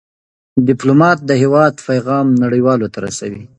ډيپلومات د هېواد پېغام نړیوالو ته رسوي.